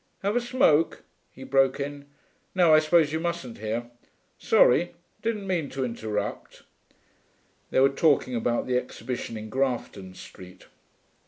'Have a smoke?' he broke in. 'No, I suppose you mustn't here. Sorry; didn't mean to interrupt....' They were talking about the exhibition in Grafton Street.